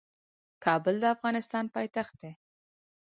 کابل د افغانستان پايتخت دي.